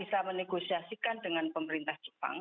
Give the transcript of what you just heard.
bisa menegosiasikan dengan pemerintah jepang